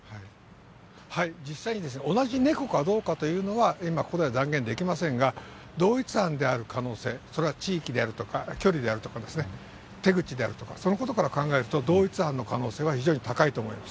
実際に同じ猫かどうかというのは、今、ここでは断言できませんが、同一犯である可能性、それは地域であるとか、距離であるとかですね、手口であるとか、そのことから考えると、同一犯の可能性は非常に高いと思います。